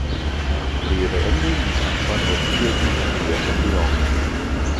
Nach Karriereende ließ Antoine Rodriguez sich in der Nähe von Lyon nieder.